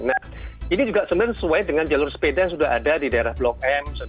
nah ini juga sebenarnya sesuai dengan jalur sepeda yang sudah ada di daerah blok m